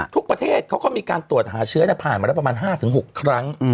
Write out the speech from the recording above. ทุกประเทศเขาก็มีการตรวจหาเชื้อผ่านมาแล้วประมาณ๕๖ครั้ง